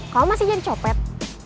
kalau masih jadi copet